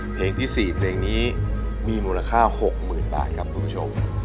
เพลงที่๔มีมูลค่า๖๐๐๐๐บาทครับคุณผู้ชม